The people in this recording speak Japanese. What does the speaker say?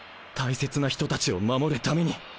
大切な人たちを守るために